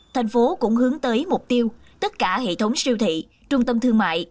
thành phố cũng hướng tới mục tiêu tất cả hệ thống siêu thị trung tâm thương mại